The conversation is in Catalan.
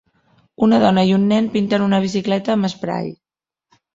Una dona i un nen pinten una bicicleta amb esprai.